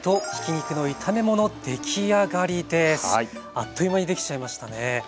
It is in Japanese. あっという間にできちゃいましたね。